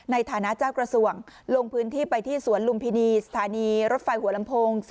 ในฐานะเจ้ากระทรวงลงพื้นที่ไปที่สวนลุมพินีสถานีรถไฟหัวลำโพง